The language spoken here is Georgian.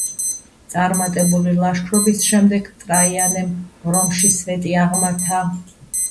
წარმატებული ლაშქრობის შემდეგ ტრაიანემ რომში სვეტი აღმართა.